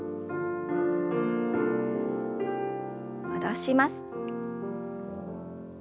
戻します。